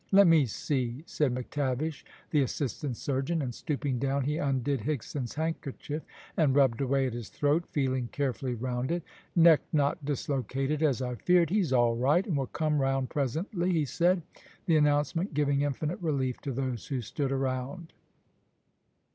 "Let me see," said McTavish, the assistant surgeon, and stooping down he undid Higson's handkerchief and rubbed away at his throat, feeling carefully round it. "Neck not dislocated, as I feared; he's all right, and will come round presently," he said, the announcement giving infinite relief to those who stood around.